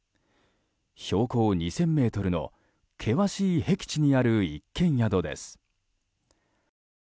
標高２０００ｍの険しいへき地にある一軒宿です。